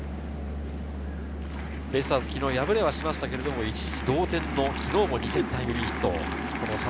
ベイスターズ、昨日、破れはしましたが、一時、同点の昨日も２点タイムリーヒット。